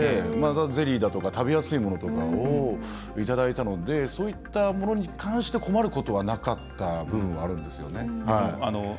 ゼリーだとか食べやすいものとかをいただいたのでそういった物に関して困ることはなかった部分はあるんですよね。